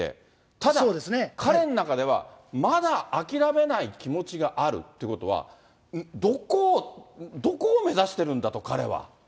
ただ、彼の中ではまだ諦めない気持ちがあるということは、どこを目指してるんだと、彼は。